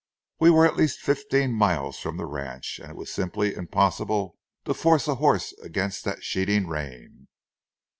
We were at least fifteen miles from the ranch, and it was simply impossible to force a horse against that sheeting rain.